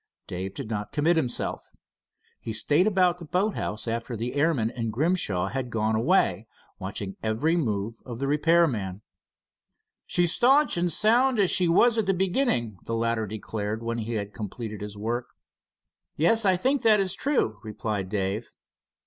Dave did not commit himself. He stayed about the boat house after the airman and Grimshaw had gone away, watching every move of the repair man. "She's staunch and sound as she was at the beginning," the latter declared, when he had completed his work. "Yes, I think that is true," replied Dave.